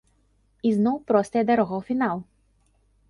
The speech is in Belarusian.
Ізноў простая дарога ў фінал.